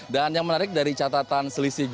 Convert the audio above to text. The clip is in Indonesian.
dan yang menarik dari catatan